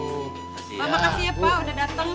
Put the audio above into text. makasih ya pak udah dateng